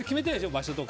場所とか。